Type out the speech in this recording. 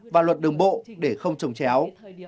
và luật đồng bộ để không trồng chéo